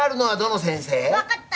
分かった！